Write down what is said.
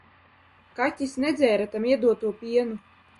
Kaķis nedzēra tam iedoto pienu.